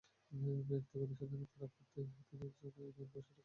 ব্যক্তিগত স্বাধীনতা রক্ষার্থে একজন নাগরিক আইনের সুরক্ষার অধিকার রাখে।